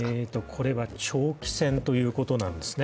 これは長期戦ということなんですね。